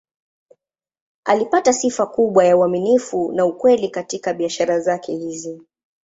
Alipata sifa kubwa ya uaminifu na ukweli katika biashara zake hizi.